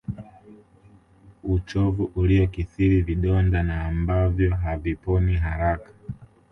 uchovu uliokithiri vidonda na ambavyo haviponi haraka